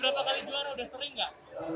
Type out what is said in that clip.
sudah berapa kali juara sudah sering gak